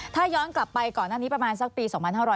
ถ้าย้อนกลับไปก่อนอันนี้ประมาณสักปี